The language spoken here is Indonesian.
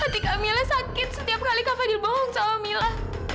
hati kamila sakit setiap kali kak fadil bohong sama mila